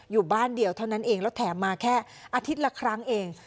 อยู่บ้านเดียวเท่านั้นเองแล้วแถมมาแค่อาทิตย์ละครั้งเอง